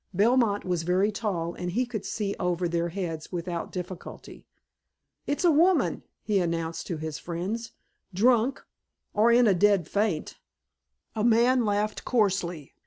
Belmont was very tall and he could see over their heads without difficulty. "It's a woman," he announced to his friends. "Drunk or in a dead faint " A man laughed coarsely.